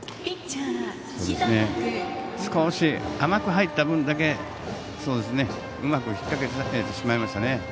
少し甘く入った分だけうまく引っ掛けさせられてしまいましたね。